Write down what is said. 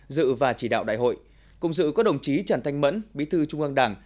dự và chỉ đạo đại hội cùng dự có đồng chí trần thanh mẫn bí thư trung ương đảng